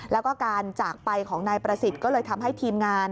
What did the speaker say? แล้วก็การจากไปของนายประสิทธิ์ก็เลยทำให้ทีมงาน